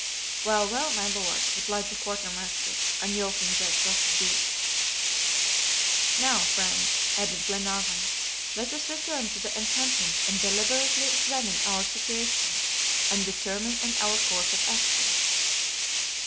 "Very well, my Lord," replied the quartermaster, un yoking the exhausted beasts. "Now, friends," added Glenarvan, "let us return to the encampment and deliberately examine our situation, and determine on our course of action."